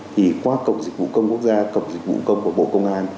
thì qua cổng dịch vụ công quốc gia cổng dịch vụ công của bộ công an